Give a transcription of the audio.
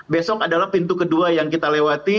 besok adalah pintu kedua yang kita lewati